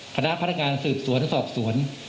คณะพนักงานสืบสวนสอบสวน